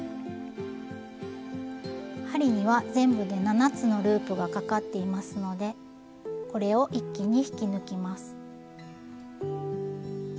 針には全部で７つのループがかかっていますのでこれを一気に引き抜きます。